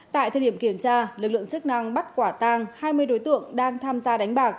tại thời điểm kiểm tra lực lượng chức năng bắt quả tang hai mươi đối tượng đang tham gia đánh bạc